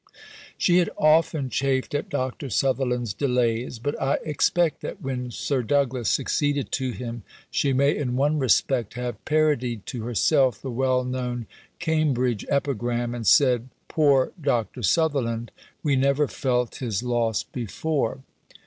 She had often chafed at Dr. Sutherland's delays, but I expect that when Sir Douglas succeeded to him she may in one respect have parodied to herself the well known Cambridge epigram, and said, "Poor Dr. Sutherland! we never felt his loss before."